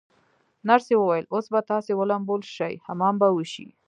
نرسې وویل: اوس به تاسي ولمبول شئ، حمام به وشی.